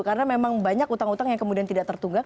karena memang banyak utang utang yang kemudian tidak tertunggak